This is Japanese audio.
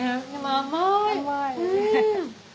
甘い。